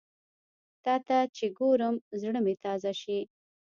تاته چې ګورم، زړه مې تازه شي